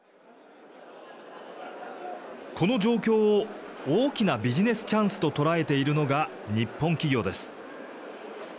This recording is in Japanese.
この状況を大きなビジネスチャンスと捉えているのが日本企業です。